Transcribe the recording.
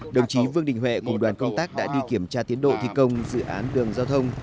đồng chí vương đình huệ cùng đoàn công tác đã đi kiểm tra tiến độ thi công dự án đường giao thông